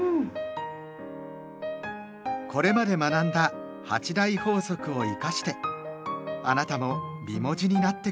これまで学んだ「８大法則」を生かしてあなたも美文字になって下さい。